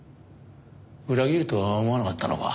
裏切るとは思わなかったのか？